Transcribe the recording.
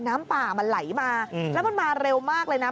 น้ำป่ามันไหลมาแล้วมันมาเร็วมากเลยนะ